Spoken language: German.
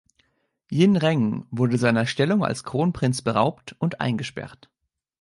Yinreng wurde seiner Stellung als Kronprinz beraubt und eingesperrt.